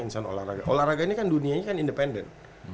insan olahraga olahraga ini kan dunianya kan independen